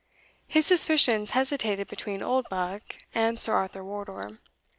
His suspicions hesitated between Oldbuck and Sir Arthur Wardour.